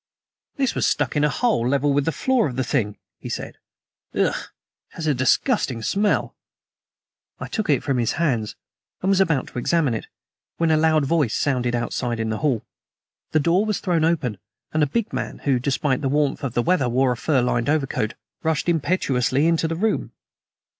"This was stuck in a hole level with the floor of the thing," he said. "Ugh! it has a disgusting smell." I took it from his hands, and was about to examine it, when a loud voice sounded outside in the hall. The door was thrown open, and a big man, who, despite the warmth of the weather, wore a fur lined overcoat, rushed impetuously into the room.